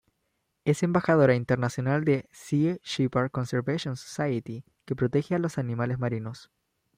Es embajadora internacional de Sea Shepherd Conservation Society, que protege a los animales marinos.